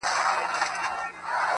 لاسونه ښکلوي، ستا په لمن کي جانانه